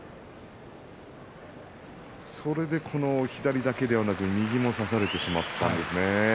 それで左だけではなく右も差されてしまったんですね。